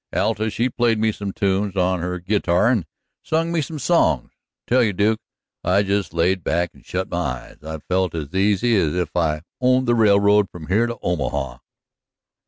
Alta she played me some tunes on her git tar and sung me some songs. I tell you, Duke, I just laid back and shut my eyes. I felt as easy as if I owned the railroad from here to Omaha."